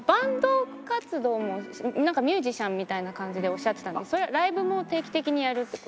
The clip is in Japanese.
ミュージシャンみたいな感じでおっしゃってたのでそれはライブも定期的にやるって事？